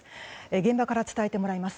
現場から伝えてもらいます。